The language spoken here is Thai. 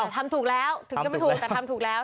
ทำถูกแล้วถึงจะไม่ถูกแต่ทำถูกแล้ว